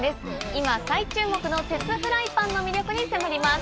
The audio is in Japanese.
今再注目の鉄フライパンの魅力に迫ります。